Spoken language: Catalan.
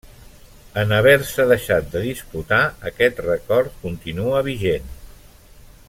En haver-se deixat de disputar aquest rècord continua vigent.